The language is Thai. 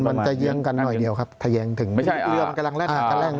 มันจะเยี่ยงกันหน่อยเดียวครับถ้าเยี่ยงถึงไม่ใช่อ่าเรือมันกำลังแลกหลัง